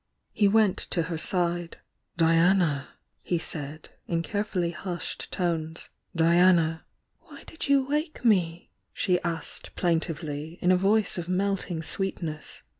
He went to her side. "Diana!" he said, in care fully hudied tones. "Diana " "Why did you wake me?" she asked plaintively, in a voice of melting sweetness.